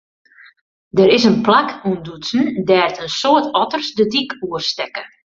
Der is in plak ûntdutsen dêr't in soad otters de dyk oerstekke.